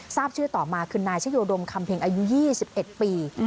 ทราบชื่อต่อมาคือนายชโยดมคำเพ็งอายุ๒๑ปี